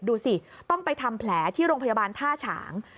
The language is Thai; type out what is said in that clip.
ดูสิต้องไปทำแผลที่โรงพยาบาลท่าฉาง